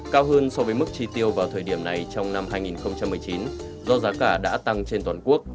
cao hơn so với mức chi tiêu vào thời điểm này trong năm hai nghìn một mươi chín do giá cả đã tăng trên toàn quốc